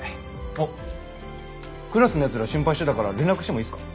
あっクラスのやつら心配してたから連絡してもいいっすか？